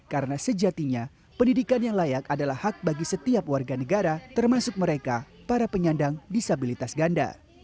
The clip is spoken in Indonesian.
karena sejatinya pendidikan yang layak adalah hak bagi setiap warga negara termasuk mereka para penyandang disabilitas ganda